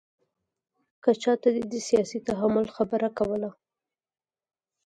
که چاته دې د سیاسي تحمل خبره کوله.